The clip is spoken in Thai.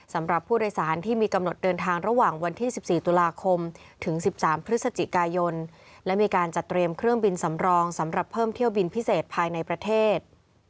สำหรับผู้โดยสารที่มีกำหนดเดินทางระหว่างวันที่๑๔ตุลาคมถึง๑๓พฤศจิกายนและมีการจัดเตรียมเครื่องบินสำรองสำหรับเพิ่มเที่ยวบินพิเศษภายในประเทศ